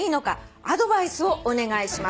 「アドバイスをお願いします」